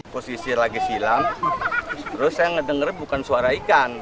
posisi lagi silam terus saya ngedengar bukan suara ikan